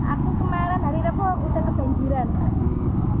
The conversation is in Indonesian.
aku kemarin hari itu sudah kebanjiran